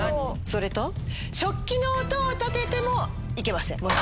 それと食器の音を立ててもいけません。